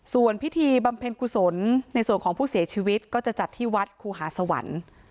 ส่วนพิธีบำเพ็ญกุศลในส่วนของผู้เสียชีวิตก็จะจัดที่วัดครูหาสวรรค์